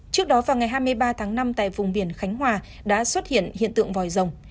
trước đó vào ngày hai mươi ba tháng năm tại vùng biển khánh hòa đã xuất hiện hiện tượng vòi rồng